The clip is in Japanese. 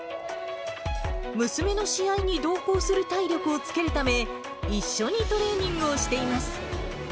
娘の試合に同行する体力をつけるため、一緒にトレーニングをしています。